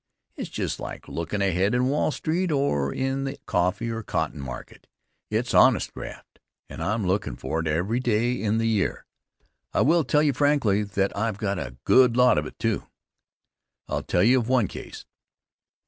It's just like lookin' ahead in Wall Street or in the coffee or cotton market. It's honest graft, and I'm lookin' for it every day in the year. I will tell you frankly that I've got a good lot of it, too. I'll tell you of one case.